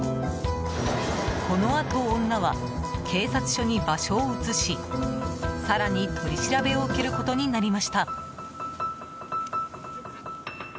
このあと、女は警察署に場所を移し更に取り調べを受けることになりました。